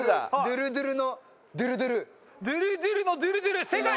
ドゥルドゥルのドゥルドゥル正解！